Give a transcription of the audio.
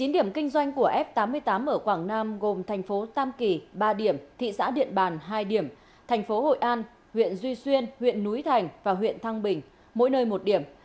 chín điểm kinh doanh của f tám mươi tám ở quảng nam gồm thành phố tam kỳ ba điểm thị xã điện bàn hai điểm thành phố hội an huyện duy xuyên huyện núi thành và huyện thăng bình mỗi nơi một điểm